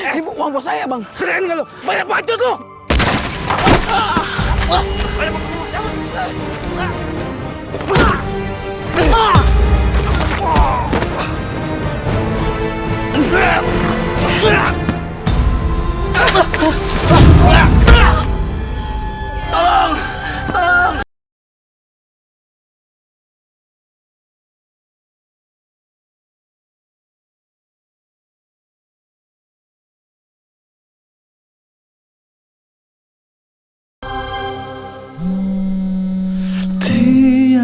tidak sedih merenteng selalu malam kemarin